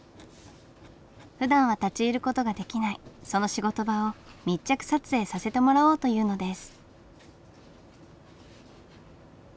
ふだんは立ち入る事ができないその仕事場を密着撮影させてもらおうというのです。